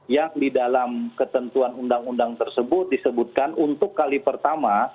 yang di dalam ketentuan undang undang tersebut disebutkan untuk kali pertama